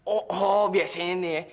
oh oh biasanya ini ya